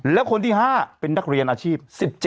แล้วคนที่๕เป็นนักเรียนอาชีพ๑๗